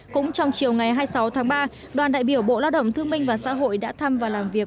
cũng trong chiều ngày hai mươi sáu tháng ba đoàn đại biểu bộ lao động thương minh và xã hội đã thăm và làm việc